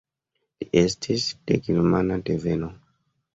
Li estis de germana deveno.